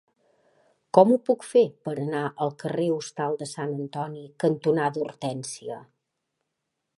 Com ho puc fer per anar al carrer Hostal de Sant Antoni cantonada Hortènsia?